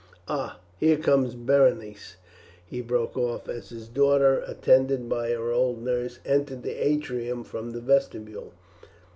Ah! here comes Berenice," he broke off, as his daughter, attended by her old nurse, entered the atrium from the vestibule.